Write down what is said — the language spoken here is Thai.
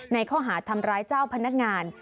ในข้อหาทำร้ายเจ้าพนักงาน